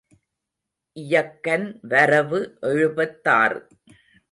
இயக்கன் வரவு எழுபத்தாறு.